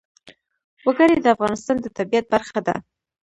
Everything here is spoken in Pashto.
وګړي د افغانستان د طبیعت برخه ده.